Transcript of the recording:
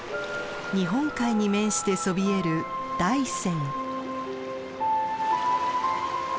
日本海に面してそびえる大山。